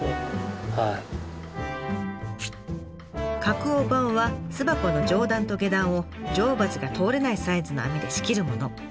隔王板は巣箱の上段と下段を女王蜂が通れないサイズの網で仕切るもの。